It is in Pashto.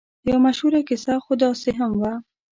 یوه مشهوره کیسه خو داسې هم وه.